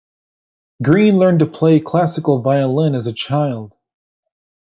Greene learned to play classical violin as a child.